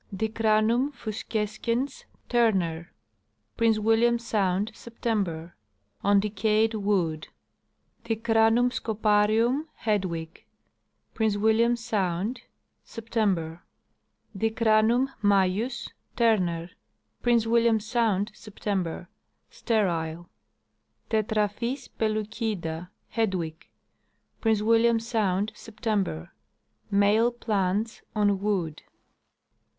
Dicranum ficscescens, Turn. Prince William sound, September. On de cayed wood. Dicranum scoparium, Hedw. Prince William sound, September. Dicranum majus ?, Turn. Prince William sound, September. Sterile. Tetraphis pellucida, Hedw. Prince William sound, September. Male plants, on wood.